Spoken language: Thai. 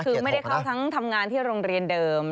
คือไม่ได้เข้าทั้งทำงานที่โรงเรียนเดิม